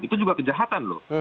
itu juga kejahatan loh